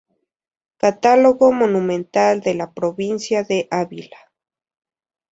Catálogo monumental de la provincia de Ávila".